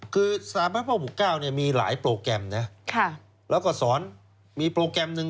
คือ๓พระพ่อบุกเก้าเนี่ยมีหลายโปรแกรมนะแล้วก็สอนมีโปรแกรมหนึ่ง